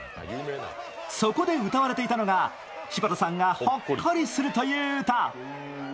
そこで歌われていたのが柴田さんがほっこりするという歌。